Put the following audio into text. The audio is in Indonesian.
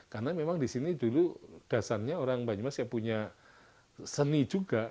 karena memang disini dulu dasarnya orang banyumas yang punya seni juga